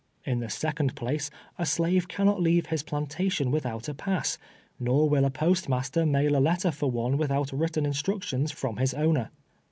In the second place, a slave cannot leave his plantation without a pass, nor will a post master mail a letter for one without written in structions from his owner.